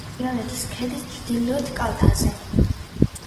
თრიალეთის ქედის ჩრდილოეთ კალთაზე.